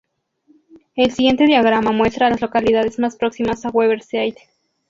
El siguiente diagrama muestra a las localidades más próximas a Weber City.